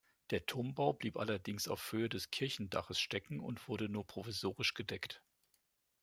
Der Turmbau blieb allerdings auf Höhe des Kirchendaches stecken und wurde nur provisorisch gedeckt.